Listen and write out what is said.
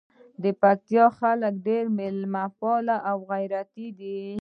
د پکتیکا خلګ ډېر میلمه پاله او غیرتي دي.